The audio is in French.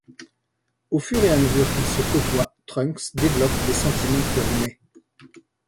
Au fur et à mesure qu'ils se côtoient, Trunks développe des sentiments pour Mai.